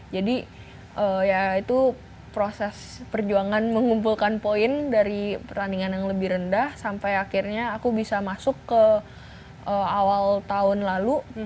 jadi ya itu proses perjuangan mengumpulkan poin dari pertandingan yang lebih rendah sampai akhirnya aku bisa masuk ke awal tahun lalu